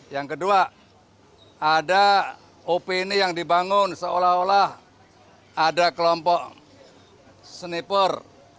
yang kedua ada opini yang dibangun seolah olah ada kelompok sniper